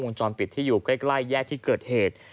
จรปิดที่อยู่ใกล้แยกที่เกิดเหตุ